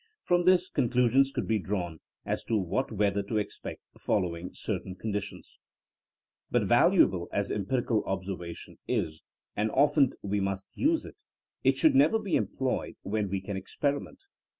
From this, conclusions could be drawn THINEINO AS A SCIENCE 35 as to what weather to expect following certain conditions. But valuable as empirical observation is, and often as we must use it, it should never be em ployed when we can experiment.